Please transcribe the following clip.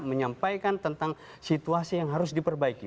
menyampaikan tentang situasi yang harus diperbaiki